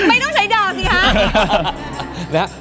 ไม่ต้องใช้ดาวสิครับ